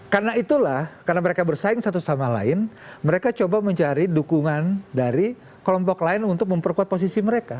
karena itulah karena mereka bersaing satu sama lain mereka mencoba mencari dukungan dari kelompok lain untuk memperkuat posisi mereka